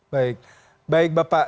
baik baik bapak